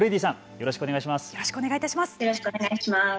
よろしくお願いします。